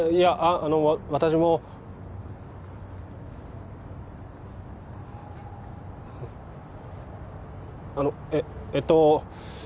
あの私もあのえっえっと